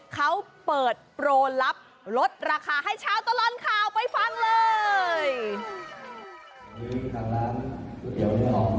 เขาเปิดโปรลับลดราคาให้ชาวตลอดข่าวไปฟังเลย